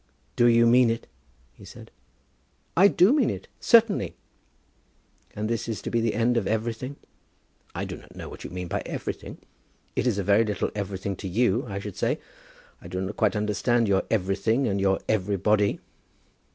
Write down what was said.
"Do you mean it?" he said. "I do mean it, certainly." "And this is to be the end of everything?" "I do not know what you mean by everything. It is a very little everything to you, I should say. I do not quite understand your everything and your everybody."